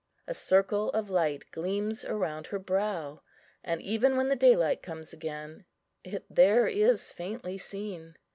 A circle of light gleams round her brow, and, even when the daylight comes again, it there is faintly seen.